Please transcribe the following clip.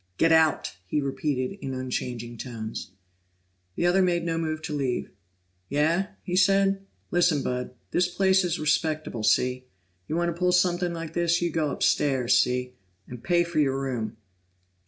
"Get out!" he repeated in unchanging tones. The other made no move to leave. "Yeah?" he said. "Listen, Bud this place is respectable, see? You want to pull something like this, you go upstairs, see? And pay for your room."